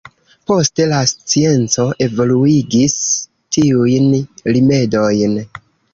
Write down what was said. Poste la scienco evoluigis tiujn rimedojn.